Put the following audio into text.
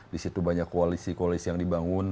disitu banyak koalisi koalisi yang dibangun